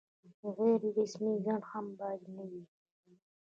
غیر رسمي خنډ هم باید نه وي.